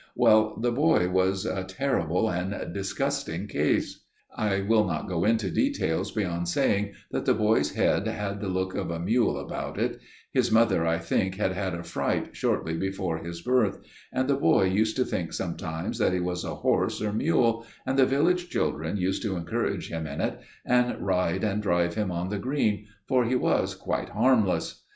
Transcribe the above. "Well, the boy was a terrible and disgusting case. I will not go into details beyond saying that the boy's head had the look of a mule about it; his mother, I think, had had a fright shortly before his birth, and the boy used to think sometimes that he was a horse or mule, and the village children used to encourage him in it, and ride and drive him on the green, for he was quite harmless.